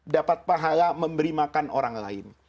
dapat pahala memberi makan orang lain